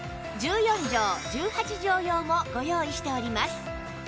１４畳１８畳用もご用意しております